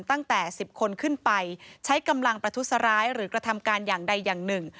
ตั้งแต่๑๐คนขึ้นไปใช้กำลังประทุษร้ายหรือกระทำการอย่างใดอย่างหนึ่ง